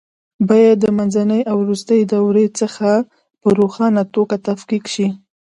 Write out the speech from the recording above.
باید د منځنۍ او وروستۍ دورې څخه په روښانه توګه تفکیک شي.